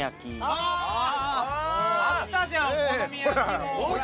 あったじゃんお好み焼きも。